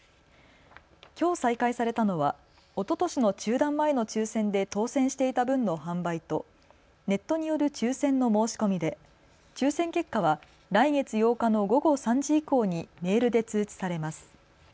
きょう再開されたのはおととしの中断前の抽せんで当選していた分の販売とネットによる抽せんの申し込みで抽せん結果は来月８日の午後３時以降にメールで通知されます。